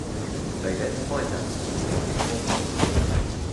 They then financed "My Bodyguard".